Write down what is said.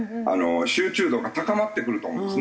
集中度が高まってくると思うんですね。